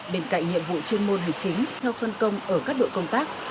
bên cạnh nhiệm vụ chuyên môn hành chính theo phân công ở các đội công tác